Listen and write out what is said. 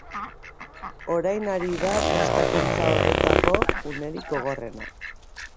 Orain ari da prestakuntza horretako unerik gogorrenean.